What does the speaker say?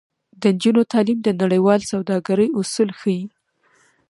د نجونو تعلیم د نړیوال سوداګرۍ اصول ښيي.